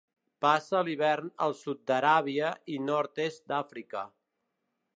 Passa l'hivern al sud d'Aràbia i nord-est d'Àfrica.